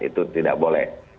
itu tidak boleh